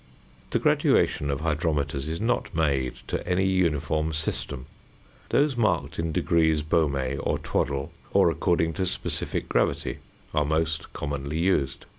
The graduation of hydrometers is not made to any uniform system. Those marked in degrees Baumé or Twaddell, or according to specific gravity, are most commonly used.